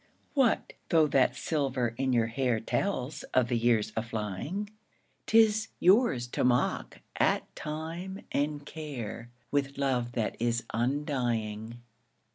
What though that silver in your hair Tells of the years aflying? 'T is yours to mock at Time and Care With love that is undying.